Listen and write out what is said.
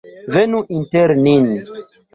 Venu inter nin!